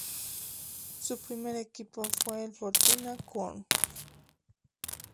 Su primer equipo fue el Fortuna Köln.